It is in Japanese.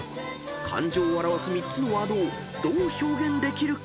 感情を表す３つのワードをどう表現できるか］